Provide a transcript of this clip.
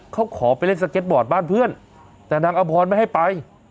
เขาขอไปเล่นสเก็ตบอร์ดบ้านเพื่อนแต่นางอพรไม่ให้ไป